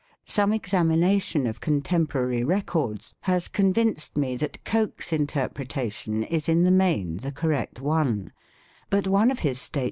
Some exam ination of contemporary records has convinced me that Coke's interpretation is in the main the correct 1 " Statutes of the Realm," i.